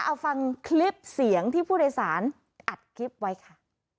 เอาฟังคลิปเสียงที่ผู้โดยสารอัดคลิปไว้ค่ะ